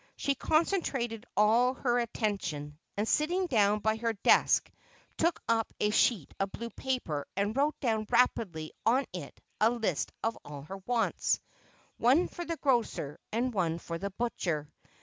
She concentrated all her attention, and sitting down by her desk took up a sheet of blue paper and wrote down rapidly on it a list of all her wants—one for the grocer, and one for the butcher.